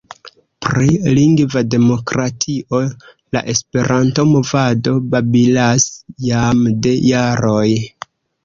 Pri lingva demokratio la Esperanto-movado babilas jam de jaroj.